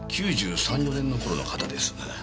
９３９４年の頃の型です。